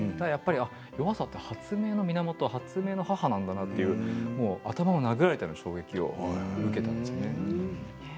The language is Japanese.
弱さって発明の源発明の母なんだなと頭を殴られたような衝撃を受けたんです。